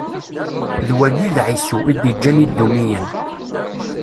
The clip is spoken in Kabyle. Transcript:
D wagi i d Ɛisu i d-iǧǧan Idumiyen.